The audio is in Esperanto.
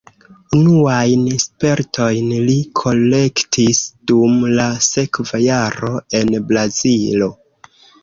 Unuajn spertojn li kolektis dum la sekva jaro en Brazilo.